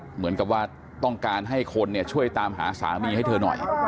เหมือนกับว่าต้องการให้คนช่วยตามหาสามีให้เธอหน่อย